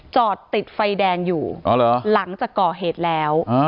จอดติดไฟแดงอยู่หลังจากก่อเหตุแล้ว